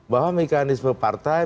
bahwa mekanisme partai